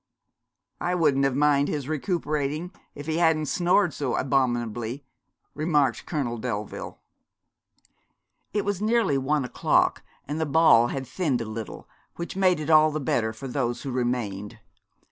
'I wouldn't have minded his recuperating if he hadn't snored so abominably,' remarked Colonel Delville. It was nearly one o'clock, and the ball had thinned a little, which made it all the better for those who remained.